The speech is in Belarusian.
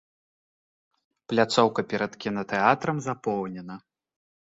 Пляцоўка перад кінатэатрам запоўнена.